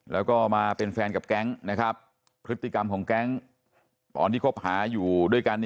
แล้วก็มาเป็นแฟนกับแก๊งนะครับพฤติกรรมของแก๊งตอนที่คบหาอยู่ด้วยกัน